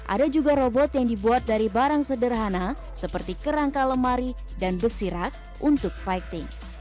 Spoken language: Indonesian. ada juga robot yang dibuat dari barang sederhana seperti kerangka lemari dan besi rak untuk fighting